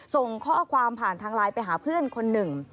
ส่งข้อความผ่านทางไลน์ไปหาเพื่อนคนหนึ่ง